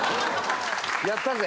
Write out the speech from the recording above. やったぜ！